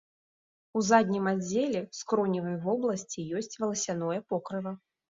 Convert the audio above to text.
У заднім аддзеле скроневай вобласці ёсць валасяное покрыва.